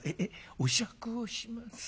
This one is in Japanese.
お酌をします？